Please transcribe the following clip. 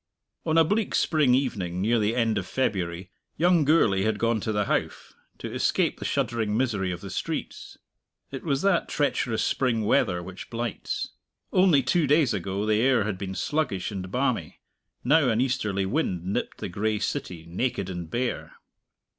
On a bleak spring evening, near the end of February, young Gourlay had gone to the Howff, to escape the shuddering misery of the streets. It was that treacherous spring weather which blights. Only two days ago the air had been sluggish and balmy; now an easterly wind nipped the gray city, naked and bare.